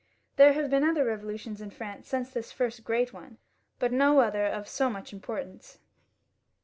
There have been other revolutions in Prance since this first great one, but no other of so much importance.